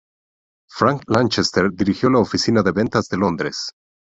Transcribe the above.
Frank Lanchester dirigió la oficina de ventas de Londres.